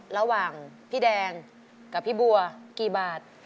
ระหว่างพี่แดงกับพี่บัวกี่บาท